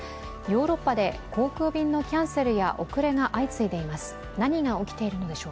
ヨーロッパで航空便のキャンセルや遅れが相次いでいます。